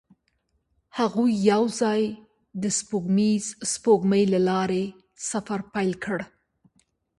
هغوی یوځای د سپوږمیز سپوږمۍ له لارې سفر پیل کړ.